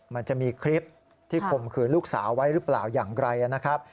มันจะมีคลิปที่ข่มขืนลูกสาวไว้หรือเปล่าอย่างไรนะครับ